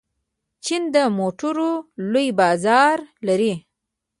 چین د موټرو لوی بازار لري.